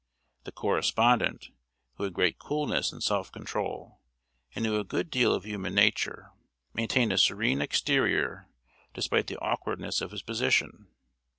The correspondent, who had great coolness and self control, and knew a good deal of human nature, maintained a serene exterior despite the awkwardness of his position.